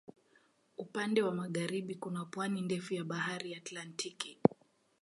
Upande wa magharibi kuna pwani ndefu ya Bahari Atlantiki.